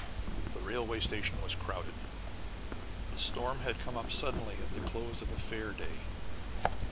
The railway station was crowded. The storm had come up suddenly at the close of a fair day.